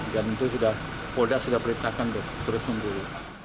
dan itu sudah poda sudah beritakan terus memburu